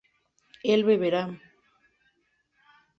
él beberá